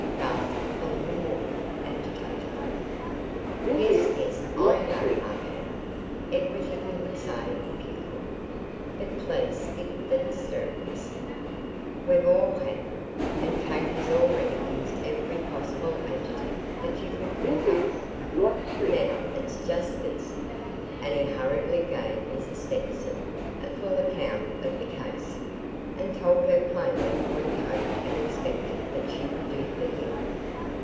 gasped the little woman, agitatedly. "Yes, yes, I know, Aunt Hannah, everything you would say if you could. But please skip the hysterics. We've all had them, and Kate has already used every possible adjective that you could think up. Now it's just this." And he hurriedly gave Mrs. Stetson a full account of the case, and told her plainly what he hoped and expected that she would do for him.